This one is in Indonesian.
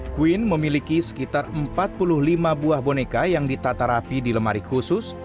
queen memiliki sekitar empat puluh lima buah boneka yang ditata rapi di lemari khusus